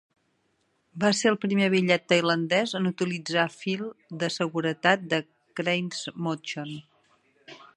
Va ser el primer bitllet tailandès en utilitzar fil de seguretat de Crane's Motion.